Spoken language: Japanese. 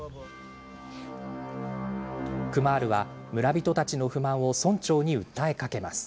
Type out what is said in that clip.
クマールは村人たちの不満を村長に訴えかけます。